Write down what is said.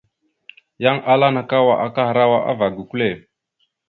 Yan ala : nakawa akahərawa ava gukəle.